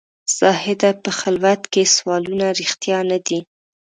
زاهده په خلوت کې دي سوالونه رښتیا نه دي.